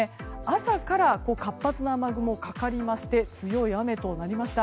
朝から活発な雨雲がかかりまして強い雨となりました。